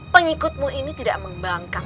pengikutmu ini tidak membangkang